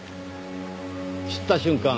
知った瞬間